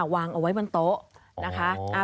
วางเอาไว้บนโต๊ะนะคะ